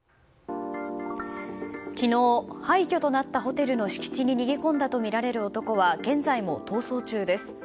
昨日、廃虚となったホテルの敷地に逃げ込んだとみられる男は現在も逃走中です。